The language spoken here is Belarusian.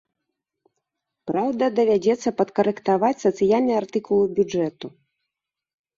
Праўда, давядзецца падкарэктаваць сацыяльныя артыкулы бюджэту.